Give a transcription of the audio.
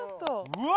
うわ！